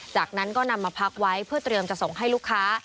จากนั้นก็นำมาพักไว้เพื่อเตรียมจะส่งให้ลูกค้า